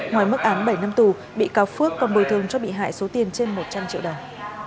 ngoài mức án bảy năm tù bị cáo phước còn bồi thương cho bị hại số tiền trên một trăm linh triệu đồng